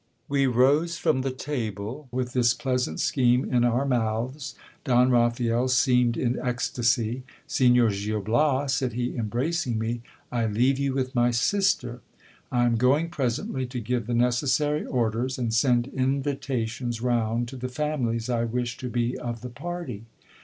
We rose from the table with this pleasant scheme in our mouths. Don Raphael seemed in ecstacy. Signor Gil Bias, said he, embracing me, I leave you with my sister. I am going presendy to give the necessary orders, and send invitations round to the families I wish to be of the party.